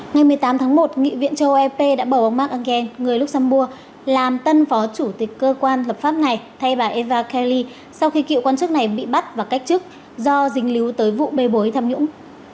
ngày một mươi tám tháng một nghị viện châu âu ep đã bầu ông mark engel người luxembourg làm tân phó chủ tịch cơ quan lập pháp này thay bà eva kelly sau khi cựu quan chức này bị bắt và cách chức do dính líu tới vụ bê bối tham nhũng